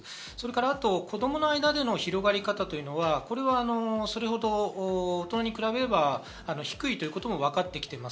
あと子供の間での広がり方、これはそれほど大人に比べれば低いということも分かってきています。